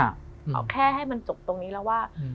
เอาแค่ให้มันจบตรงนี้แล้วว่า